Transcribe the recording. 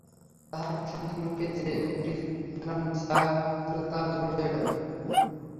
তাহার প্রশান্ত মুখে যে একটি ম্লান ছায়া ছিল, তাহা দূর হইয়া গেল।